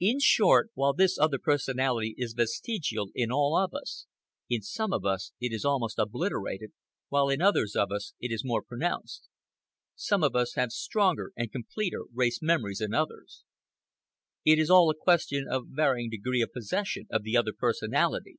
In short, while this other personality is vestigial in all of us, in some of us it is almost obliterated, while in others of us it is more pronounced. Some of us have stronger and completer race memories than others. It is all a question of varying degree of possession of the other personality.